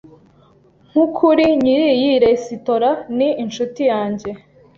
Nkukuri, nyiri iyi resitora ni inshuti yanjye.